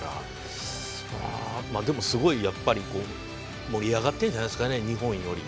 うんでもすごいやっぱり盛り上がってるんじゃないですかね日本より。